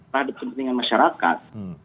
pada kepentingan masyarakat